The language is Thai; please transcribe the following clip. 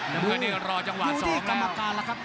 น้ำเงินรอจังหวาสองแล้วอยู่ที่กรรมการล่ะครับ